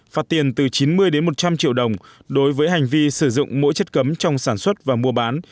phạt tiền từ chín mươi đến một trăm linh triệu đồng đối với hành vi sử dụng mỗi chất cấm trong sản xuất và mua bán